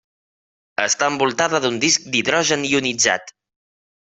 Està envoltada d'un disc d'hidrogen ionitzat.